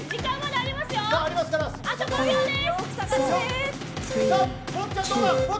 あと５秒です。